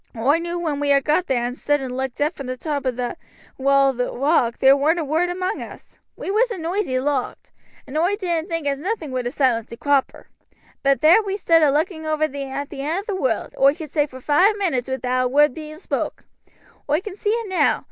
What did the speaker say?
Oi know when we got thar and stood and looked out from the top o' that wall o' rock thar warn't a word among us. "We was a noisy lot, and oi didn't think as nothing would ha' silenced a cropper; but thar we stood a looking over at the end of the world, oi should say for five minutes, wi'out a word being spoke. Oi can see it now.